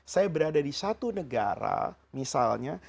saya berada di satu negara misalnya